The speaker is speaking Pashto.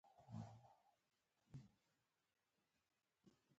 ایا په یویشتمه پېړۍ کې دا جهل و خرافات نه دي، نو څه دي؟